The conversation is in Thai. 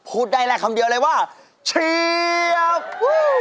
พูดได้แหละคำเดียวเลยว่าเชียบ